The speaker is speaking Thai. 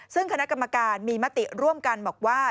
ซึ่งคณะกรรมการมีมติร่วมกันบอกว่า